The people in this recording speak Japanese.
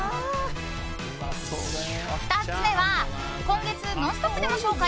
２つ目は今月「ノンストップ！」でも紹介。